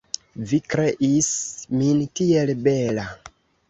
Vi kreis min tiel bela!